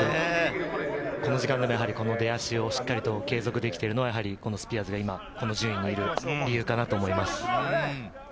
この時間でも出足をしっかり継続できているのは今、スピアーズがこの順位にいる理由だと思います。